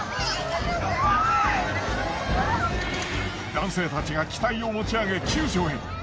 男性たちが機体を持ち上げ救助へ。